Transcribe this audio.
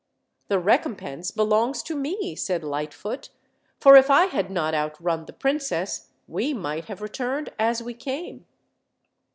"The recompense belongs tome," said Lightfoot; "for if I had not outrun the princess, we might have returned as we came."